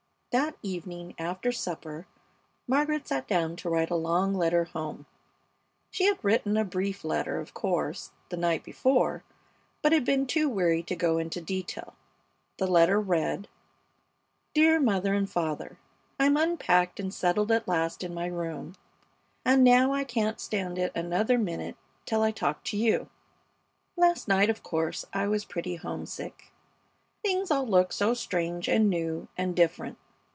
That evening after supper Margaret sat down to write a long letter home. She had written a brief letter, of course, the night before, but had been too weary to go into detail. The letter read: DEAR MOTHER AND FATHER, I'm unpacked and settled at last in my room, and now I can't stand it another minute till I talk to you. Last night, of course, I was pretty homesick, things all looked so strange and new and different.